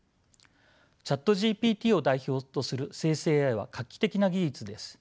ＣｈａｔＧＰＴを代表とする生成ＡＩは画期的な技術です。